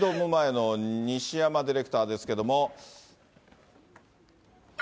バンテリンドーム前の西山ディレクターですけれども。